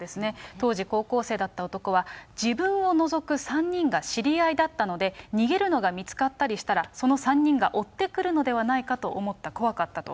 当時高校生だった男は、自分を除く３人が知り合いだったので、逃げるのが見つかったりしたら、その３人が追ってくるのではないかと思った、怖かったと。